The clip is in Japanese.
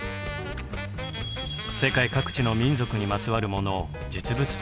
世界各地の民族にまつわるものを実物展示しています。